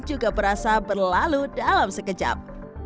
juga berasa berlalu dalam sekejap